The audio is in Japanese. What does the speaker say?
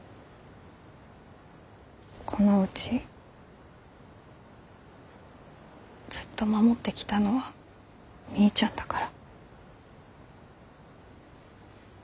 このうちずっと守ってきたのはみーちゃんだから。